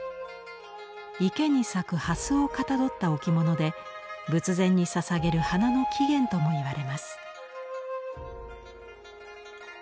池に咲く蓮をかたどった置物で仏前にささげる花の起源ともいわれます。